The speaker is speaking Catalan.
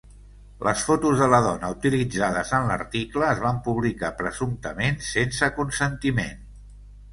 Les fotos de la dona utilitzades en l'article es van publicar presumptament sense consentiment.